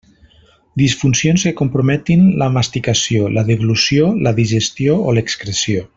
Disfuncions que comprometin la masticació, la deglució, la digestió o l'excreció.